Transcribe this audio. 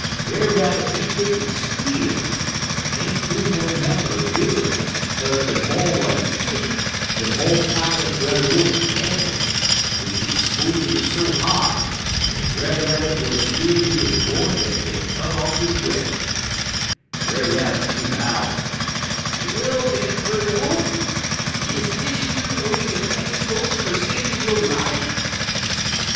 "Brer Rabbit he kick en squeal, but 't ain't do no manner er good, 'kaze de mo' w'at he kick de mo' tighter Brer Wolf clamp 'im, w'ich he squoze 'im so hard dat Brer Rabbit wuz fear'd he 'uz gwine ter cut off he breff. Brer Rabbit, he 'low: "'Well, den, Brer Wolf! Is dish yer de way you thanks folks fer savin' yo' life?'